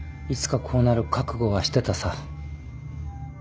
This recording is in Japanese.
いつかこうなる覚悟はしてたさ。